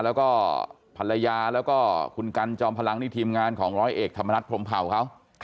แล้วก็ภรรยาแล้วก็คุณกันจอมพลังนี่ทีมงานของร้อยเอกธรรมนัฐพรมเผ่าเขา